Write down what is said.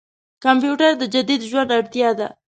کمپيوټر د جديد ژوند اړتياده.